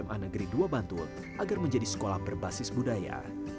sma negeri dua bantul agar menjadi sekolah berbasis budaya